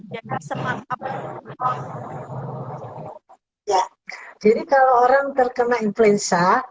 jadi kalau orang terkena influenza